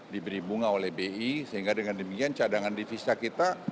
diberi bunga oleh bi sehingga dengan demikian cadangan divisa kita